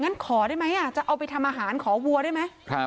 งั้นขอได้ไหมจะเอาไปทำอาหารขอวัวได้ไหม